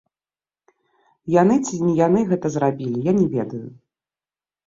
Яны ці не яны гэта зрабілі, я не ведаю.